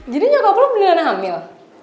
jadi nyokap lo beli anak hamil